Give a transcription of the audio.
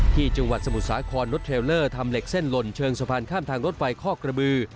จังหวัดสมุทรสาครรถเทลเลอร์ทำเหล็กเส้นหล่นเชิงสะพานข้ามทางรถไฟข้อกระบือ